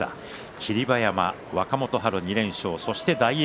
霧馬山、若元春、２連勝そして大栄